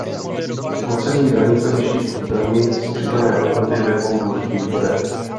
Spotřební daň se liší od dani z přidané hodnoty ve dvou důležitých bodech.